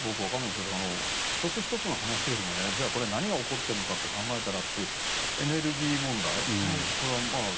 １つ１つの話よりも何が起こっているのかと考えたらエネルギー問題